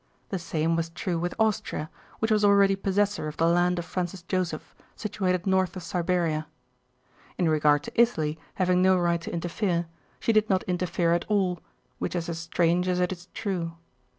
The same was true with Austria, which was already possessor of the land of Francis Joseph, situated north of Siberia. In regard to Italy having no right to interfere, she did not interfere at all; which is as strange as it is true.